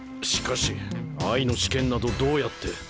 しかし愛の試験などどうやって。